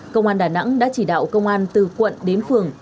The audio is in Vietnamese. công an đà nẵng đã chỉ đạo công an từ quận đến phường